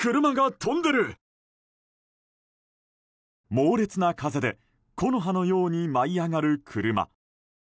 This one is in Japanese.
猛烈な風で木の葉のように舞い上がる車。